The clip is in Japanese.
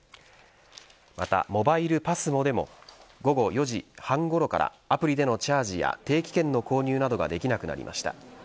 またモバイルＰＡＳＭＯでも午後４時半ごろからアプリでのチャージや定期券の購入などができなくなりました。